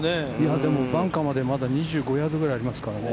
でも、バンカーまで、まだ２５ヤードぐらいありますからね。